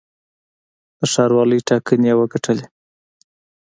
د ښاروالۍ ټاکنې یې وګټلې.